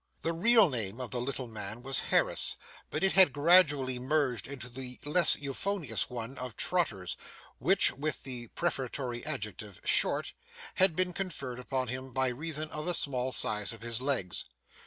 The real name of the little man was Harris, but it had gradually merged into the less euphonious one of Trotters, which, with the prefatory adjective, Short, had been conferred upon him by reason of the small size of his legs.